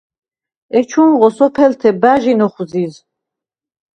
ეჩუნღო სოფელთე ბა̈ჟინ ოხვზიზ.